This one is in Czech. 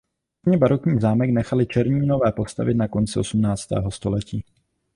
Pozdně barokní zámek nechali Černínové postavit na konci osmnáctého století.